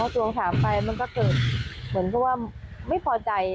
ทวงถามไปมันก็เกิดเหมือนเพราะว่าไม่พอใจ